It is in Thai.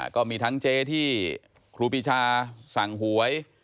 ก็มีทั้งเจ๊ที่ครูปีชาสั่งหวย